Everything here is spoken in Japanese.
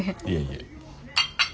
いえいえ。